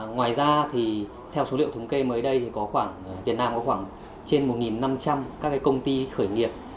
ngoài ra thì theo số liệu thống kê mới đây thì việt nam có khoảng trên một năm trăm linh các cái công ty khởi nghiệp